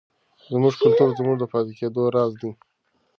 زموږ کلتور زموږ د پاتې کېدو راز دی.